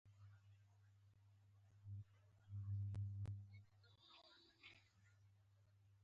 کوچنۍ ډالۍ هم خوشحالي راوړي.